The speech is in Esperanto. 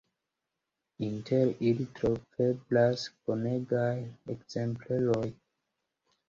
Inter ili troveblas bonegaj ekzempleroj.